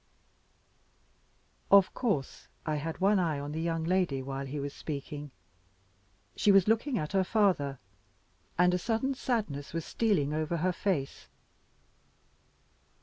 Of course I had one eye on the young lady while he was speaking. She was looking at her father, and a sudden sadness was stealing over her face.